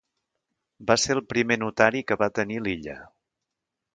Va ser el primer notari que va tenir l'illa.